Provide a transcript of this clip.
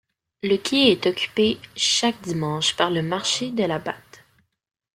Le quai est occupé chaque dimanche par le marché de la Batte.